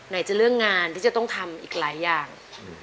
ไหนจะเรื่องงานที่จะต้องทำอีกหลายอย่าง